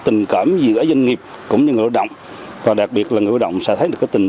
tình cảm giữa doanh nghiệp cũng như người lao động và đặc biệt là người lao động sẽ thấy được tình